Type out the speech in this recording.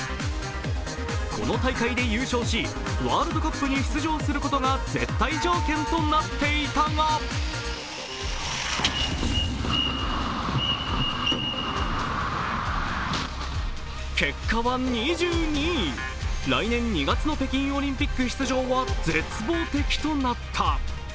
この大会で優勝し、ワールドカップに出場することが絶対条件となっていたが、結果は２２位、来年２月の北京オリンピック出場は絶望的となった。